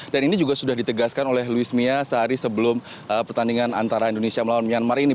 dan ini juga sudah ditegaskan oleh louis mia sehari sebelum pertandingan antara indonesia melawan myanmar ini